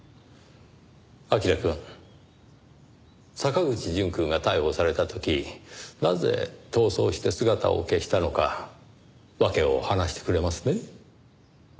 彬くん。坂口淳くんが逮捕された時なぜ逃走して姿を消したのか訳を話してくれますね？